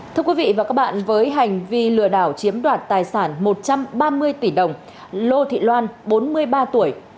thưa quý vị và các bạn với hành vi lừa đảo chiếm đoạt tài sản một trăm ba mươi tỷ đồng lô thị loan bốn mươi ba tuổi